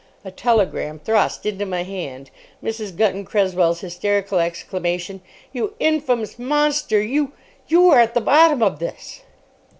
A telegram thrust into my hand. Mrs. Gunton Cresswell's hysterical exclamation, "You infamous monster—you—you are at the bottom of this."